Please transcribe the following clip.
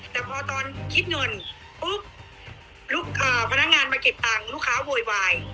แต่พอตอนคิดเงินปุ๊บพนักงานมาเก็บตังค์ลูกค้าโวยวาย